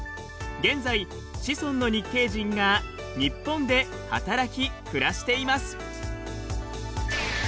現在子孫の日系人が日本で働き暮らしています。